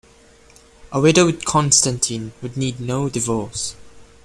A widowed Constantine would need no divorce.